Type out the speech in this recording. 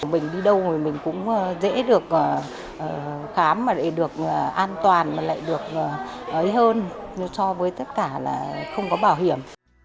mình đi đâu rồi mình cũng dễ được khám mà lại được an toàn mà lại được hơn so với tất cả là không có bảo hiểm